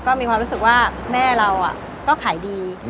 ก็มีความรู้สึกว่าแม่เราก็ขายดี